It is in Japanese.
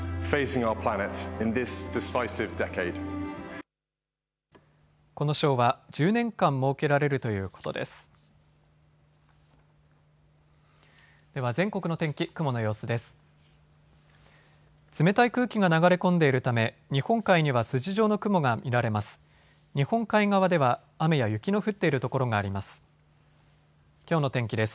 冷たい空気が流れ込んでいるため日本海には筋状の雲が見られます。